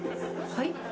はい？